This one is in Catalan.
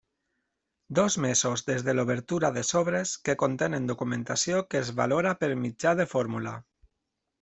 Dos mesos des de l'obertura de sobres que contenen documentació que es valora per mitjà de fórmula.